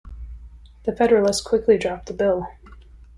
The Federalists quickly dropped the bill.